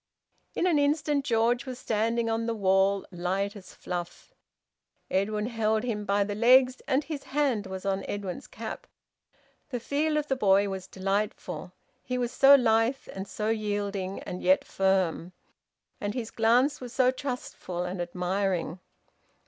In an instant George was standing on the wall, light as fluff. Edwin held him by the legs, and his hand was on Edwin's cap. The feel of the boy was delightful; he was so lithe and so yielding, and yet firm; and his glance was so trustful and admiring.